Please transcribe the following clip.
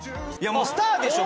もうスターでしょ